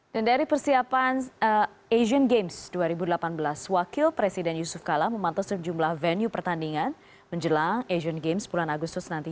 dan dari persiapan asian games dua ribu delapan belas wakil presiden yusuf kala memantau sejumlah venue pertandingan menjelang asian games bulan agustus nanti